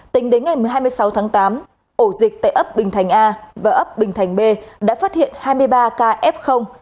tính đến ngày hai mươi sáu tháng tám ổ dịch tại ấp bình thành a và ấp bình thành b đã phát hiện hai mươi ba ca f